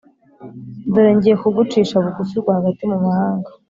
dore ngiye kugucisha bugufi rwagati mu mahanga,